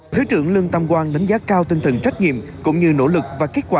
thứ trưởng lương tam quang đánh giá cao tinh thần trách nhiệm cũng như nỗ lực và kết quả